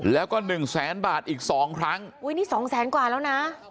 แล้วก็๑๐๐๐๐๐บาทอีก๒ครั้งอุ้ยนี่๒๐๐๐๐๐กว่าแล้วนะ